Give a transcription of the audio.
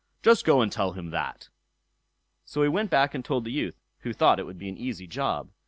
Just go and tell him that." So he went back and told the youth, who thought it would be an easy job.